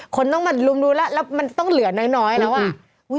คนต้องมาลุมดูแล้วแล้วมันต้องเหลือน้อยแล้วอ่ะ